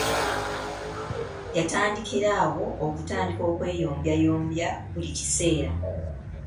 Yatandikira awo okutandika okweyombyayombya buli kiseera.